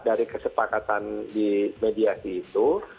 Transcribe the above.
dari kesepakatan di mediasi itu